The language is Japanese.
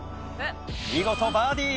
見事バーディ。